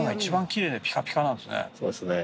そうですね。